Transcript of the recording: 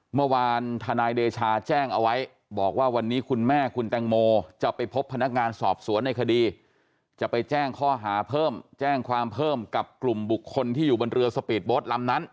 ทนายเดชาแจ้งเอาไว้บอกว่าวันนี้คุณแม่คุณแตงโมจะไปพบพนักงานสอบสวนในคดีจะไปแจ้งข้อหาเพิ่มแจ้งความเพิ่มกับกลุ่มบุคคลที่อยู่บนเรือสปีดโบสต์ลำนั้น